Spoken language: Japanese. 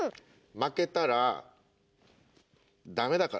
負けたらダメだからね。